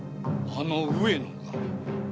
あの上野が！？